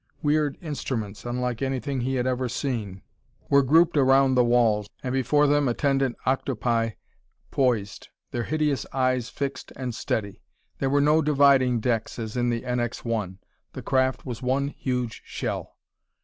Weird instruments, unlike anything he had ever seen, were grouped around the walls, and before them attendant octopi poised, their hideous eyes fixed and steady. There were no dividing decks as in the NX 1; the craft was one huge shell.